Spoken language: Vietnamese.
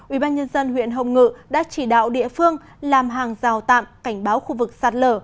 ubnd huyện hồng ngự đã chỉ đạo địa phương làm hàng rào tạm cảnh báo khu vực sạt lở